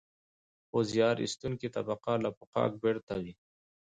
خو زیار ایستونکې طبقه له پوښاک پرته وي